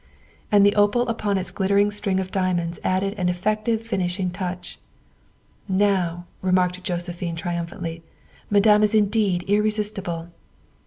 '' And the opal upon its glittering string of diamonds added an effective finishing touch. " Now," remarked Josephine triumphantly, " Ma dame is indeed irresistible."